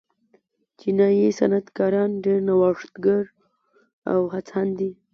چینايي صنعتکاران ډېر نوښتګر او هڅاند دي.